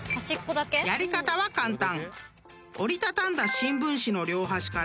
［やり方は簡単］